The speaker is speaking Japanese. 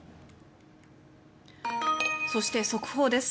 そして速報です。